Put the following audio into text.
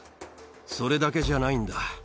それだけじゃないんだ。